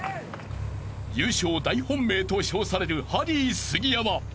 ［優勝大本命と称されるハリー杉山］